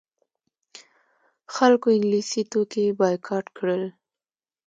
خلکو انګلیسي توکي بایکاټ کړل.